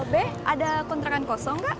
beh ada kontrakan kosong kak